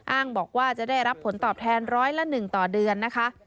อ้างบอกว่าจะได้รับผลตอบแทนร้อยละ๑ต่อเดือนนะคะ